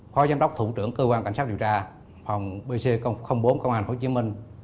khói giám đốc thủ trưởng cơ quan cảnh sát điều tra phòng bc bốn công an tp hcm